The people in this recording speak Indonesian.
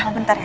oh bentar ya